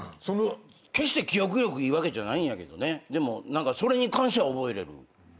決して記憶力いいわけじゃないんやけどねでも何かそれに関しては覚えれる。